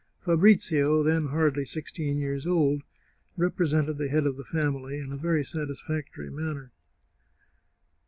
Fabrizio, then hardly sixteen years old, represented the head of the family in a very satisfactory manner.